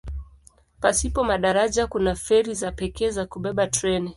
Pasipo madaraja kuna feri za pekee za kubeba treni.